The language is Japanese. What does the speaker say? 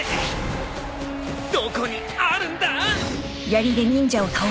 どこにあるんだ！？